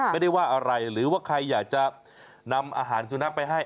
ไม่ได้ว่าอะไรหรือว่าใครอยากจะนำอาหารสุนัขไปให้